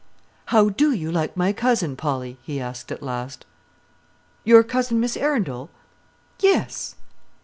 "How do you like my cousin, Polly?" he asked at last. "Your cousin, Miss Arundel?" "Yes."